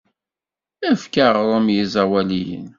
Efk aɣrum i iẓawaliyen.